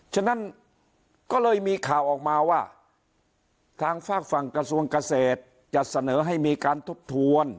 ฉะนั้นก็เลยมีข่าวออกมาว่าทางฝากฝั่งกระทรวงเกษตรจะเสนอให้มีการทบทวน